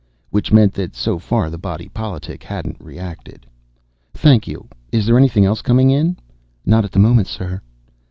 Which meant that, so far, the Body Politic hadn't reacted. "Thank you. Is there anything else coming in?" "Not at the moment, sir."